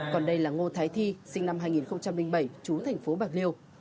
còn đây là ngô thái thi sinh năm hai nghìn bảy chú thành phố bạc liêu